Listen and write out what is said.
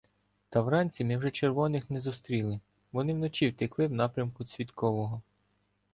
Та вранці ми вже червоних не зустріли — вони вночі втекли в напрямку Цвіткового.